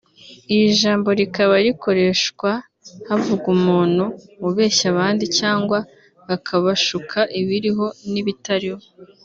Iri jambo rikaba rikoreshwa havugwa umuntu ubeshya abandi cyangwa akabashuka ibiriho n’ibitariho